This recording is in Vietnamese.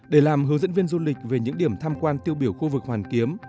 để làm hướng dẫn viên du lịch về những điểm tham quan tiêu biểu khu vực hoàn kiếm